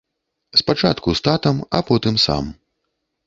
Спачатку з татам, а потым сам.